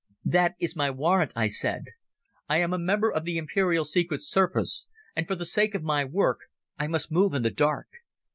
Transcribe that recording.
"That is my warrant," I said. "I am a member of the Imperial Secret Service and for the sake of my work I must move in the dark.